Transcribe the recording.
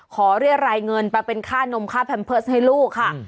ขอเรียกรายเงินไปเป็นค่านมค่าแพมเพิร์สให้ลูกค่ะ